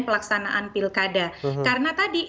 pelaksanaan pilkada karena tadi